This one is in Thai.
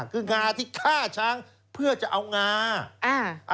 คืองาที่ฆ่าช้างเพื่อจะเอางา